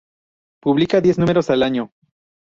Publica diez números al año.